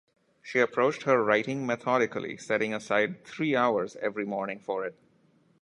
She approached her writing methodically, setting aside three hours every morning for it.